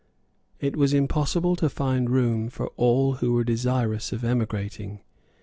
It was impossible to find room for all who were desirous of emigrating.